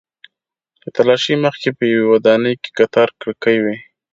له تالاشۍ مخکې په یوې ودانۍ کې کتار کړکۍ وې.